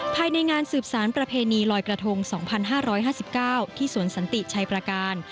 ภายในงานสืบสารประเพณีลอยกระทง๒๕๕๙ที่สวนสันติชัยประการ